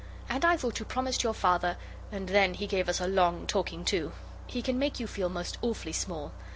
And I thought you promised your Father ' And then he gave us a long talking to. He can make you feel most awfully small.